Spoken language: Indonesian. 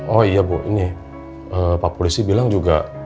oh iya bu ini pak polisi bilang juga